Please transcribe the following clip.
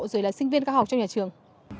rồi là sinh viên cao học trong nhà trường